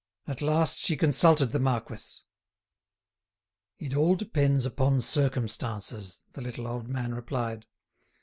At last she consulted the marquis. "It all depends upon circumstances," the little old man replied.